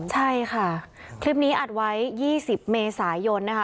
ใช่ค่ะคลิปนี้อัดไว้๒๐เมษายนนะคะ